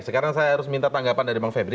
sekarang saya harus minta tanggapan dari bang febri